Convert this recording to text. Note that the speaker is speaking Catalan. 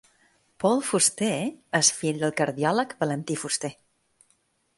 Paul Fuster és fill del cardiòleg Valentí Fuster.